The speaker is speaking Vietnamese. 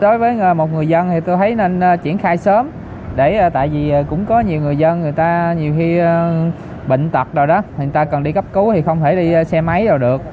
đối với một người dân thì tôi thấy nên triển khai sớm để tại vì cũng có nhiều người dân người ta nhiều khi bệnh tật rồi đó người ta cần đi cấp cứu thì không thể đi xe máy rồi được